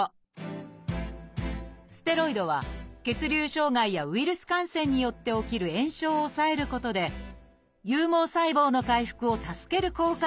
ステロイドは血流障害やウイルス感染によって起きる炎症を抑えることで有毛細胞の回復を助ける効果があると考えられています。